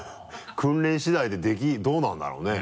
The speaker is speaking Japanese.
訓練次第でどうなんだろうね。